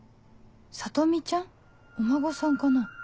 里美ちゃん？お孫さんかな